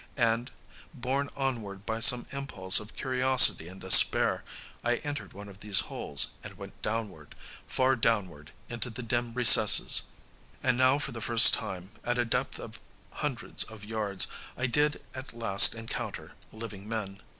And, borne onward by some impulse of curiosity and despair, I entered one of these holes, and went downward, far downward into the dim recesses. And now for the first time, at a depth of hundreds of yards, I did at last encounter living men.